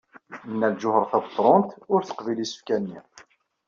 Nna Lǧuheṛ Tabetṛunt ur teqbil isefka-nni.